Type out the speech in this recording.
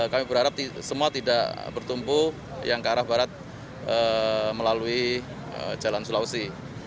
kami berharap semua tidak bertumpu yang ke arah barat melalui jalan sulawesi